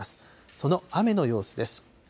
その雨の様子です。